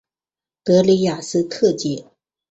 的里雅斯特街。